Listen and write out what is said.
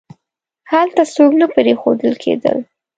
هلته څوک نه پریښودل کېدل.